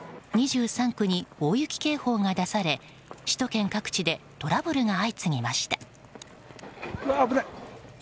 ２３区に大雪警報が出され首都圏各地でトラブルが相次ぎました。